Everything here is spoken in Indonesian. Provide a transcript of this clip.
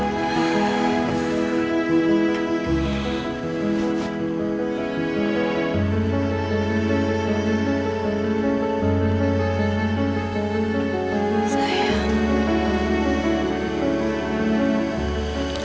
alhamdulillah kamu udah bebas nak